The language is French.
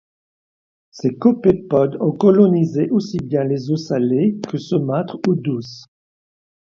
Ces copépodes ont colonisé aussi bien les eaux salées que saumâtres ou douces.